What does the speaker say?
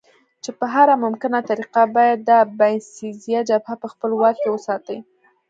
چې په هره ممکنه طریقه باید د باینسېزا جبهه په خپل واک کې وساتي.